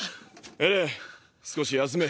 エレン少し休め。